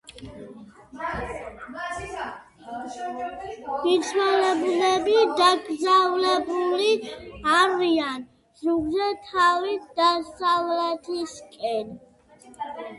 მიცვალებულები დაკრძალებულნი არიან ზურგზე, თავით დასავლეთისკენ.